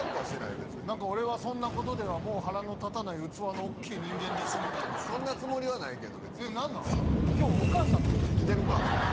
別に何か俺はそんなことではもう腹の立たない器の大きい人間ですみたいなさそんなつもりはないけど別に何なん今日お母さん見に来てる？来てるか！